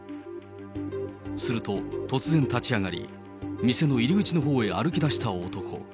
すると、突然立ち上がり、店の入り口のほうに歩きだした男。